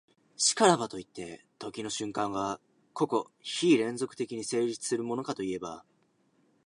然らばといって、時の瞬間が個々非連続的に成立するものかといえば、